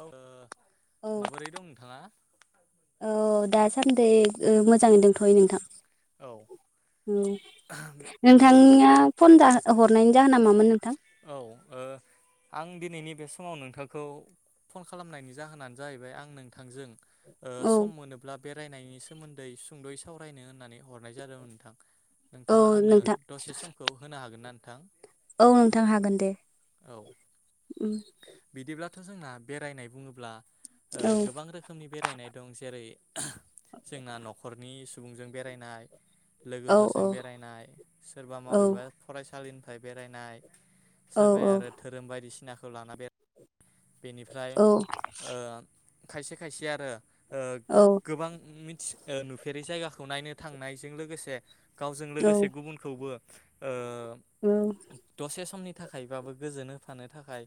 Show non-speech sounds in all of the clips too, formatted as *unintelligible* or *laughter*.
औ ओ औ माबोरै दं नोंथाङा? औ दासान्दै मोजाङै ओ दंथ'यो नोंथां। ओम उम नोंथांनिया फन दा हरनायनि जाहोना मामोन नोंथां? औ ओं आं दिनैनि बे समाव नोंथांखौ फन खालामनायनि जाहोनानो जाहैबाय आं नोंथांजों ओं औ सम मोनोब्ला बेरायनायनि सोमोन्दै सुंद'यै सावरायनो होननानै हरनाय जादोंमोन नोंथां। औ नोंथाङा आंनो नोंथां दसे समखौ होनो हागोन ना? नोंथां? औ नोंथां हागोन दे। दाथ' जोंना बेरायनाय बुङोब्ला औ ओं गोबां रोखोमनि बेरायनाय दं जेरै जोंना न'खरनि सुबुंजों बेरायनाय औ औ लोगोफोरजों बेरायनाय, सोरबा औ माबेबा फरायसालि नाथाय बेरायनाय। औ सोरबाया आरो धोरोम बायदिसिना खौ लाना बेराय बेनिफ्राय औ ओं खायसे खायसे आरो ओं औ गोबां मि नुफेरै जायगाखौ नायनो थांनायजों लोगोसे गावजों लोगोसे गुबुनखौबो ओ ओं एसे समनि थाखायबाबो गोजोन होफानो थाखाय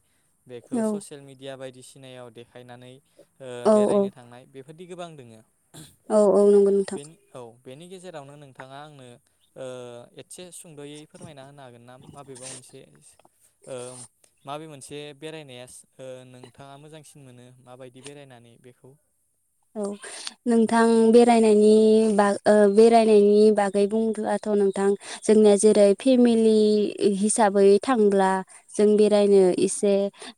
बेखौ औ ससियेल मिडिया बायदिसिना नेयाव देखायनानै ओ औ बेरायनो थांनाय बे *unintelligible* गोबां दोङो औ औ नंगो नोंथां बेनि औ बेनि गेजेरावनो नोंथाङा आंनो ओ एसे सुंद'यै फोरमायना होनो हागोन ना माब बे ओ माबे मोनसे बेरायनाया ओ नोंथाङा मोजांसिन मोनो माबायदि बेरायनानै बेखौ औ नोंथां बेरायनायनि बाग ओ बेरायनायनि बागै बुंब्लाथ' नोंथां जोंनिया जेरै फेमिलि हिसाबै थांब्ला जों बेरायनो इसे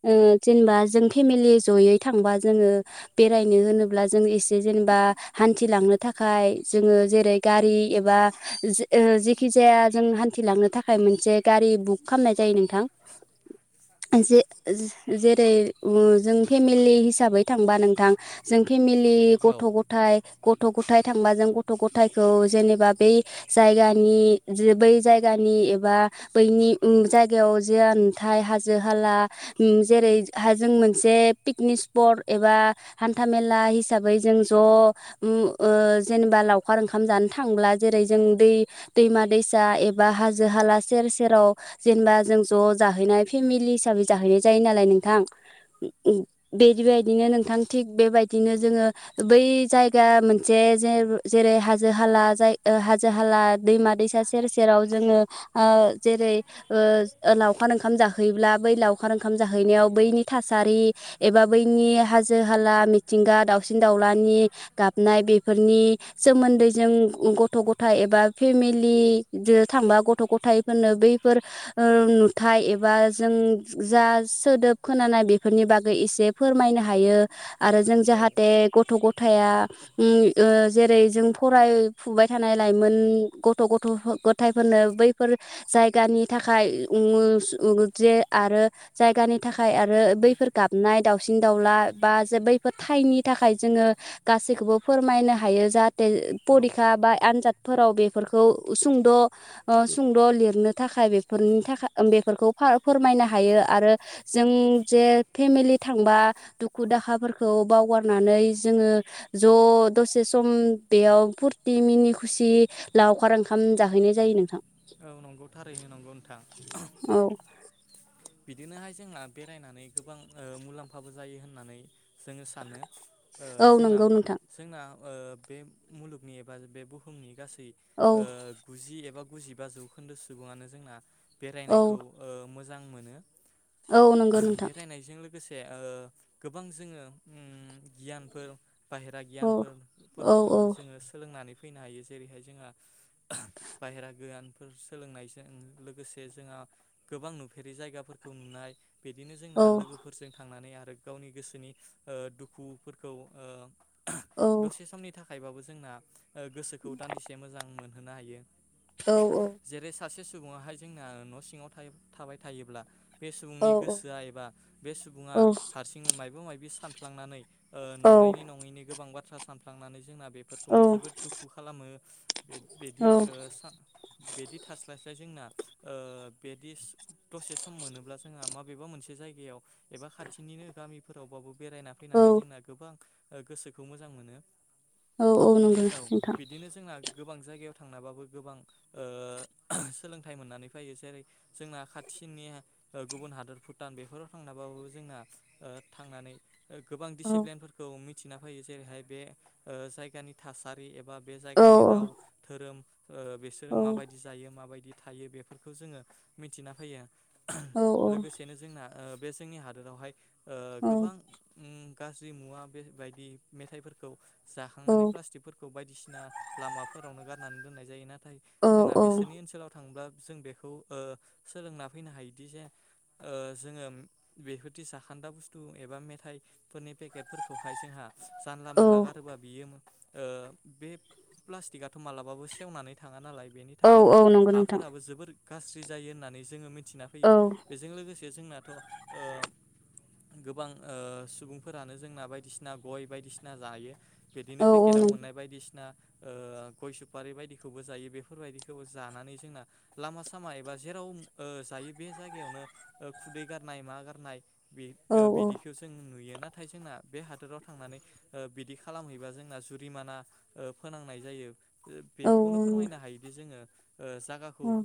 ओ जेनेबा जों फेमिलि जयै थांबा जोङो बेरायनो होनोब ब्ला जों इसे जेनेबा हान्थिलांनो थाखाय जोङो जेरै गारि एबा ओ जेखि जाया जों हान्थिलांनो थाखाय मोनसे गारि बुक खालामनाय जायो नोंथां जे-जे जेरै जों फेमिलि हिसाबै थांबा नोंथां जों फे फेमेलि औ गथ' गथाय गथ' गथाय थांबा जों गथ' गथायखौ जेनेबा बै जायगानि जे बै जायगानि एबा बैनि ओम जायगायाव जा नुथाय हाजो हाला ओम जेरै जों मोनसे पिकनिक स्पट एबा हान हान्था मेला हिसाबै जों ज' ओम ओ जेनेबा लावखार ओंखाम जानो थांब्ला जेरै जों दै दैमा दैसा एबा हाजो हाला सेर सेराव जेनेबा जों ज' जाहैनाय फेमिलि हिसाबै जाहैनाय जायो नालाय नोंथां बेदिबायदिनो नोंथां थिग थाग बेबायदिनो जोङो बै जायगा मोनसे जेर जेरै हाजो हाला जाय हाजो हाला दैमा दैसा सेर सेराव जोङो ओ जेरै ओ लावखार ओंखाम जाहैयोब्ला बै लावखार ओंखाम जाहैनायाव बैनि थासारि एबा बैनि हाजो हाला मिथिंगा दाावसिन दाउलानि गाबनाय बेफोरनि सोमोन्दै जों गथ' गथाय एबा फेमिलिजो थांबा गथ' गथायाइफोरनो बैफोर नुथाय एबा जों जा सोदोब खोनानाय बेफोरनि बागै एसे फोरमायनो हायो। आरो जों औ जाहाथे गथ' ग थाया ओम ओ जेरै जों फरायफुबाय थानाय लाइमोन गथ' गथ' गथायफोरनो बैफोर जायगानि थाखाय उम जे आरो जायगानि थाखाय आरो बैफोर गाबनाय दाावसिन दाउला बा बैफोर थाइनि थाखाय जोङो गासैखौबो फोरमायनो हायो जा ओ औ परिखा बा आनजाद फोराव बेफोरखौ सुंद' ओ सुंद' लिरनो थाखाय बेफोरनि थाखाय बेफोरखौ फोरमायनो हायो आरो जों जे फेमिलि थांबा दुखु दाहा फोरखौ बावगारनानै जोङो ज' दसे सम बेयाव फुरथि मिनि खुसि लावखार ओंखाम जाहैनाय जायो नोंथां। औ नंगौ थारैनो नंगौ नोंथा। औ बिदिनोहाय जोंहा बेरायनानै गोबां ओ मुलाम्फाबो जायो होननानै जोङो सानो। ओ औ नंगौ नोंथां जोंना-जोंना ओ बे मुलुगनि एबा बे बुहुमनि गासै औ गुजि गुजि एबा गुजिबा जौखोन्दो सुबुआनो जोंना औ बेरायनायखौ ओ मोज मोजां मोनो औ नंगौ नोंथां। बेरायनायजों लोगोसे ओ गोबां जोङो उम गियानफोर बाहेरा औ औ गियानफोरखौ औ जोङो सोलोंनानै फैनो हायो जेरैहाय जोंहा। बाहेरा गोयान सोलोंनायजों लोगोसे जोंहा गोबां नुफेरि जायगा फोरखौ नुनाय बिदिनो जोंना औ लोगोफोरजों थांनानै आर आरो गावनि गोसोनि ओ दुखुफोरखौ ओ दसे समनि था थायबाबो जोंना ओ गोसोखौ दान्दिसे मोजां मोन होनो हायो। औ जेरै सासे सु सुबुङाहाय जोंना न' सिङाव थायो‌ थाबाय थायोब्ला बे औ सुबुंनि गोसोआ एबा बे सुबुङा हारसिंनो मायबा मायाबि सानफ्लांनानै ओ नंनायनि नङैनि गोबां बा थ्रा सानफ्लांनानै जोंना बेफोरखौनो जोबोद दुखु खालामो औ बेदि ओ बेदि थास्लायस्लाय जोंना। ओ बेदिस दसे स बबेबा मोनसे जायगायाव एबा खाथिनिनो गामिफोराव बाबो बेरायना फैनानै जोंना गोबां ओ गोसोखौ मोजां मोनो औ औ नंगौ बिदिनो औ नोंथां बिदिनो जोंना गोबां जायगायाव थांनाबाबो गोबां ओ सोलोंथाइ मोननानै फैयो जेरै जोंना खाथिनि ओ गुबुन हादर भुटान बेफोराव थांनाबाबो जोंना ओ थांनानै ओ गोबां औ डिसिप्लेनफोरखौ मि थिना फैयो जेरैहाय बे ओ जायगानि थासारि एबा बे औ जायगानि राव धोरोम ओ बिसोरो औ माबायदि जायो माबायदि थायो बेफोरखौ जोङो मिथिना फैयो औ औ लोगोसेनो जोंना ओ बे जोंनि हादोरावहाय ओ औ गोबां ओम गाज्रि मुवा बे बायदि मेथाइफोरखौ औ जाखांनानै प्लास्टिकफोरखौ बायदिसिना लामाफोरावनो गारनानै दोननाय जायोना नाथाय जोंना औ बिसोरनि ओनसोलाव थांब्ला जों बेखौ ओ सोलोंना फैनो हायो दि जे ओ जोङो बेफोरदि जाखान्दा बुस्थु एबा मेथाइफोरनि पेकेटफोरखौहाय जोंहा जानला औ मोनला गारोबा बियो ओ बे प्लास्टिकआथ मालाबाबो सेवनानै थाङा नालाय बेनि औ थाखायनो औ नंगौ नोंथां हाफोराबो जोबोर गाज्रि जायो होननानै जोङो मिथि होयो औ बेजों लोगोसे जोंना थ ओ गोबां ओ सुबुंफोरानो जोंना बायदिसिना गय बायदिसिना जायो। बिदिनो औ औ पेकेटाव नंगौ मोननाय बायदिसिना ओ गय सुफारि बायदिखौबो जायो बेफोरबायदिखौबो जानानै जोंना लामा सामा एबा जेराव ओ जायो। बे जायगायावनो ओ खुदै गारनाय मा गारनाय बे औ ओ बिदिखौ जों नुयो। नाथाय जोंना बे हादोराव थांनानै ओ बिदि खालामहैबा जोंना जुरिमाना ओ फोनांनाय जायो। औ बेखौनो फोरमायनो हायोदि जोङो ओ जागाखौ औ ओ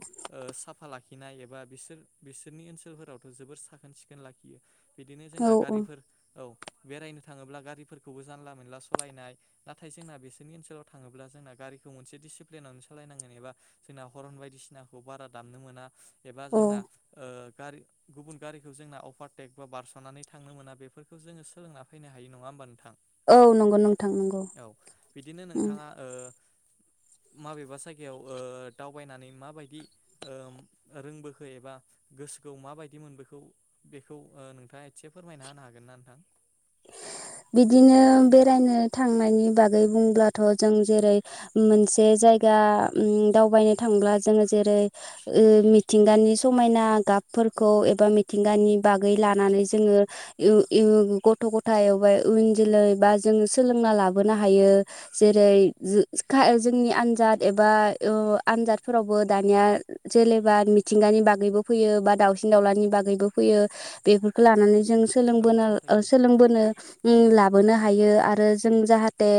साफा ला खिनाय एबा बिसोर बिसोरनि ओनसोलफोरावथ' जोबोर साखोन सिखोन लाखियो। बिदिनो जोंना गारिफोर औ। बेरायनो थाङोब्ला गारिफोरखौबो जानला मोनला सलायनाय नाथाय जोंना बिसोरनि ओनसोलाव थाङोब्ला जोंना गारिखौ मोनसे डिसिप्लिनावनो सलायनांगोन एबा जोंना ह'र'न बायदिसिनाखौ बारा दामनो मोना। एबा औ जोंना ओ गारि गुबुन गारिखौ जोंना अभारटेक बा बारसनानै थांनो मोना बेफोरखौ जोङो सोलोंना फैनो हायो नङा होमबा नों औ नंगौ नोंथां नंगौ। बिदिनो नोंथाङा ओ माबेबा जायगायाव ओ दावबायनानै माबायदि ओम रोंबोखो एबा गोसोखौ माबायदि मोनबोखौ बेखौ ओ नोंथाङा एसे फोरमायना होनो हागोन ना नोंथां। बिदिनो बेरायनो थांनायनि बागै बुंब्लाथ' जों जेरै मोनसे जायगा दावबायनो थांब्ला जोङो जेरै ओ मिथिंगानि समायना गाबफोरखौ एबा मिथिंगानि बागै लानानै जोङो इउ इउ ग गथ' गथाय एबा इयुन जोलै बा जोङो सोलोंना लाबोनो हायो जेरै जो खा जोंनि आनजाद एबा ओ आनजादफोरावबो दानिया जेलेबा मिथिंगानि बागैबो फैयो बा दाउसिन दाउलानि बागैबो फैयो बेफोरखौ लानानै जों औ थारैनो सोलोंबोनो ओम लाबोनो हायो आरो जों जाहाथे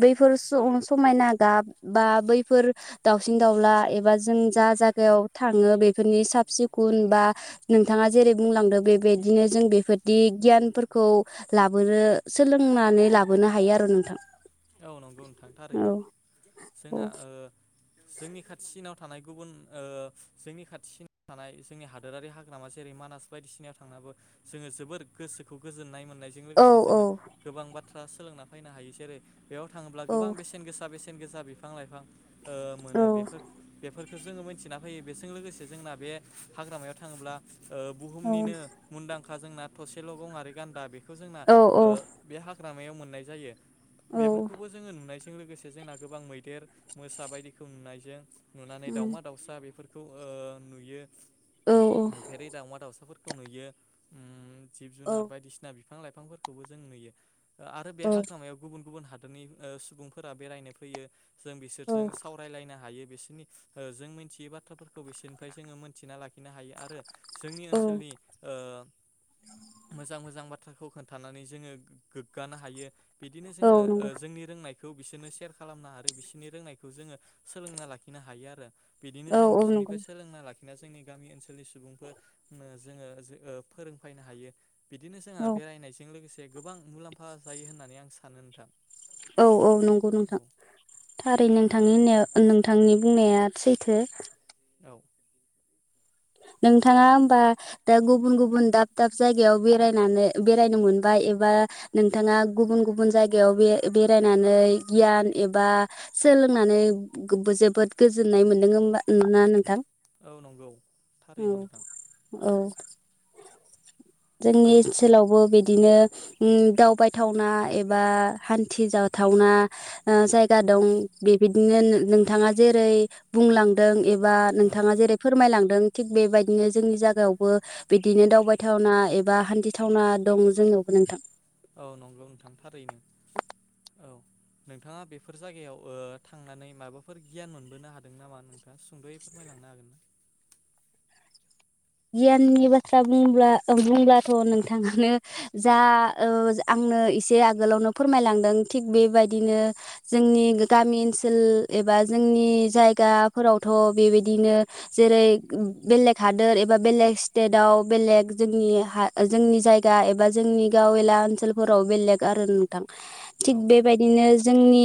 बैफोर स ओ समायना गाब बा बैफोर दावसिन दाउला एबा जों जा जागायाव थाङो बेफोरनि साब सिकुन बा नोंथाङा जेरै बुंलांदो बेबायदिनो जों बेफोरदि गियानफोर खौ लाबोनो सोलोंनानै लाबोनो हायो आरो नोंथां। औ नंगौ नोंथां औ थारैनो औ जोंङा ओ जोंनि खाथि सिनाव थानाय गुबुन ओ जोंनि खाथिसिनाव थानाय जोंनि हादोरारि हाग्रामा जेरै मानास बायदिसिनायाव थांनाबो जोङो जोबोर गोसोखौ गोजोननाय मोन नायजों औ लोगोसे जोङो गोबां बाथ थ्रा सोलोंना फैनो हायो जेरै बेयाव थाङोब्ला औ गोबां बेसेन गोसा बेसेन बेसेन गोसा बिफां लाइफां मोनो। बेफोर-बेफोर बेखौ जोङो मोनथिना फैयो बेजों लोगोसे जोंना बे हाग्रामायाव थाङोब्ला बुहुमनिनो मुंदांखा जोंना थसेल' गङारि गान्दा बे बेखौ जोंना औ औ बे हाग्रामायाव मोननाय जायो। औ बेफोरखौबो जोङो नुनायसै। जों लोगोसे जोंना गोबां मैदेर मोसा बायदिखौ नुनायजों नुनानै उम दाउमा दाउसा बेफोर ओ नुयो। औ नुफेरै दाउमा दाउसाफोर नुयो। जिब जुनार बायदिसिना बिफां लाइफां बिफांफोरखौबो जों नुयो। आरो बे औ हाग्रामायाव गुबुन हादोरनि सुबुंफोरा बेरायनो फैयो। जों औ बिसोरजों सावरायलायनो हायो। बिसोरनि जों मिथियै बाथ्राफोर खौ बिसोरनिफ्राय जोङो मोनथिना लाखिनो हायो। आरो जोंनि औ ओनसोलनि मोजां मोजां बा थ्राखौ खोन्थानानै जोङो गोग्गानो हायो। बिदिनो औ जोङो नंगौ जोंनि रोंनाय खौ बिसोरनो सेयार खालामनो आरो बिसोरनि रोंनायखौ जोङो सोलोंना लाखिनो हायो आरो। बिदिनो औ जों औ नंगौ बिसोरनिफ्राय सोलोंना ला खिना जोंनि गामि ओनसोलनि सुबुंफोरनो जोङो फोरोंफैनो हायो। बिदिनो जोंहा औ बेरायनायजों लोगोसे गोबां मुलाम्फा जायो होननानै आं सानो नोंथां। औ औ नंगौ औ नोंथां थारै नों थांनि होननाय नोंथांनि बुंनाया सैथो। औ नोंथाङा होमबा दा गुबुन गुबुन दाब दाब जायगायाव बेरायनानै बेरायनो मोनबाय एबा नोंथाङा गुबुन गुबुन जायगायाव बे बेरायनानै गियान एबा सोलोंनानै जोबोद गोजोननाय मोनदों ना नोंथां? औ नंगौ। औ थारैनो नोंथां औ जोंनि ओनसोलावबो बि दिनो उम दावबायथावना एबा हानथिजाथावना ओ जायगा दं बेबायनो नोंथाङा जेरै बुंलांदों ए बा औ नोंथाङा जेरै फोरमायलांदों थिग बेबायदिनो जोंनि जागायावबो बिदिनो दावबायथावना एबा हानथिथावना दं जोंनियावबो नोंथां। औ नंगौ नोंथां थारैनो औ नोंथाङा बेफोर जायगायाव ओ थांनानै माबाफोर गियान मोनबोनो हादों नामा नोंथाङा सुंद'यै फोरमायलांनो हागोन ना? गियाननि बाथ्रा बुंब्ला बुंब्लाथ' नोंथाङानो जा ओ आंनो एसे आगोलावनो फोरमायलांदों थिग बेबायदिनो जोंनि गामि ओनसोल एबा जोंनि जायगाफोरावथ' बेबायदिनो जेरै बेलेग हादोर ए बा बेलेग स्टेटाव बेलेग जोंनि हा जोंनि जायगा एबा जोंनि गावेला ओनसोलफोराव बेलेग आरो नोंथां। औ थिग बेबायदिनो जोंनि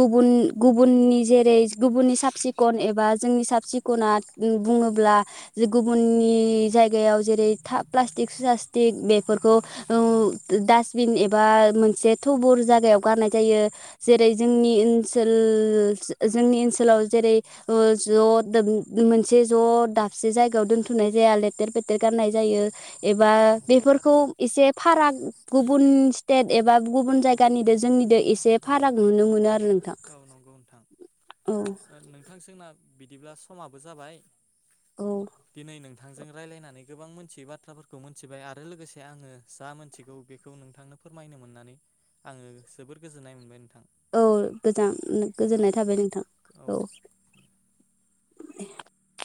गुबुन गुबुननि जेरै गुबुननि साब सिखन एबा जोंनि साब सिखना बुङोब्ला गुब गुबुननि जायगायाव जेरै था प्लास्टिक सालास्टिक बेफोरखौ डासटबिन एबा मोनसे थबुर जागायाव गारनाय जायो। जेरै जोंनि ओनसोल जो-जोंनि ओनसोलाव जेरै ओ ज' मोनसे ज' दाबसे जायगायाव दोन थुनाय जाया लेथेर फेथेर गारनाय जायो। औ एबा नंगौ बेफोरखौ थारैनो एसे फाराग गुबुन सिटेट एबा गुबुन जायगानिदो जोंनिदो एसे फाराग नुनो मोनो आरो। नोंथां औ नंगौ नोंथां। औ ओ नोंथां जोंना बिदिब्ला समाबो जाबाय। औ दिनै नोंथांजों रायज्लायनानै गोबां मोनथियै बाथ्राफोरखौ मोनथिबाय आरो लोगोसे आङो जा मोनथिगौ बेखौ नोंथांनो फोरमायनो मोननानै आङो जोबोर गोजोननाय मोनबाय नोंथां औ गोजान औ गोजोननाय थाबाय नोंथां औ *inaudible*